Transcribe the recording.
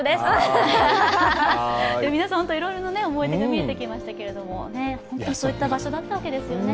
皆さん、本当にいろいろな思い出が見えてきましたけども、そういった場所だったんですね。